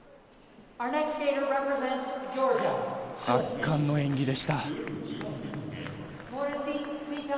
圧巻の演技でした。